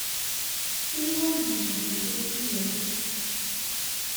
Anwa ay d-ijebden takti-a?